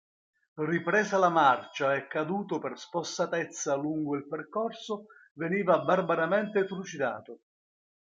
Ripresa la marcia e caduto per spossatezza lungo il percorso veniva barbaramente trucidato.